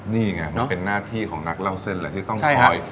นี่ไงมันเป็นหน้าที่ของนักเล่าเส้นแหละที่ต้องคอย